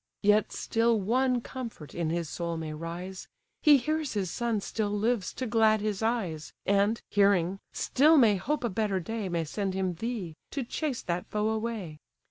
Yet still one comfort in his soul may rise; He hears his son still lives to glad his eyes, And, hearing, still may hope a better day May send him thee, to chase that foe away.